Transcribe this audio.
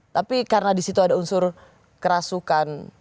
tapi karena di situ ada unsur kerasukan